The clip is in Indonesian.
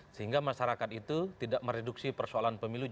sehingga masyarakat itu tidak mereduksi persoalan pemilihan umum